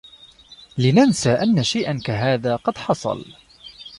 لننسى أنّ شيئا كهذا قد حصل.